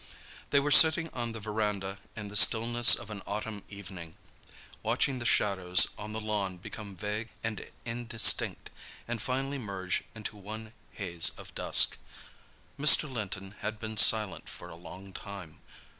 They were sitting on the verandah in the stillness of an autumn evening, watching the shadows on the lawn become vague and indistinct, and finally merge into one haze of dusk. Mr. Linton had been silent for a long time.